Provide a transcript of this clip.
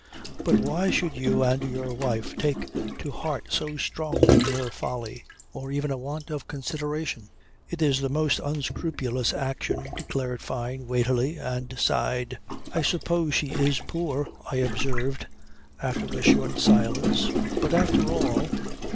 But why should you and your wife take to heart so strongly mere folly or even a want of consideration?" "It's the most unscrupulous action," declared Fyne weightily and sighed. "I suppose she is poor," I observed after a short silence. "But after all